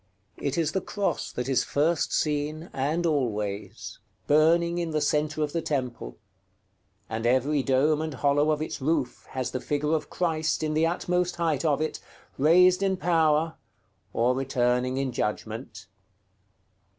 It is the Cross that is first seen, and always, burning in the centre of the temple; and every dome and hollow of its roof has the figure of Christ in the utmost height of it, raised in power, or returning in judgment.